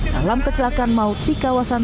dalam kecelakaan maut di kawasan